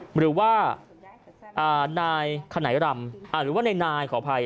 หรือว่านายขไหนรำหรือว่านายขออภัย